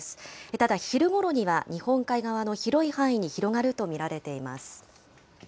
ただ、昼ごろには日本海側の広い範囲に広がると見られています。